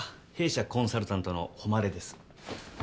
弊社コンサルタントの誉です。